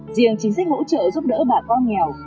riêng chính sách hỗ trợ giúp đỡ bà con nghèo